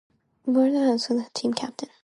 Bob Hazzard was the team captain.